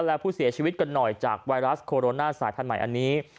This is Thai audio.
และผู้เสียชีวิตกันหน่อยจากไวรัสโคโรนาสายพันธุ์ใหม่อันนี้